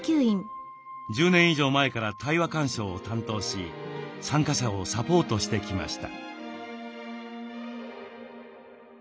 １０年以上前から対話鑑賞を担当し参加者をサポートしてきました。